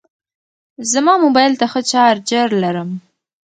زما موبایل ته ښه چارجر لرم.